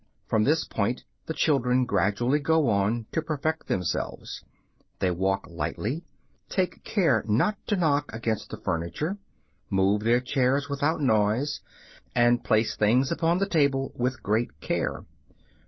From this point the children gradually go on to perfect themselves; they walk lightly, take care not to knock against the furniture, move their chairs without noise, and place things upon the table with great care.